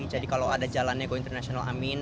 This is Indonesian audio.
jadi kalau ada jalannya go internasional amin